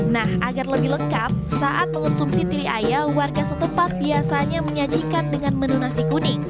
nah agar lebih lengkap saat mengonsumsi tiri ayam warga setempat biasanya menyajikan dengan menu nasi kuning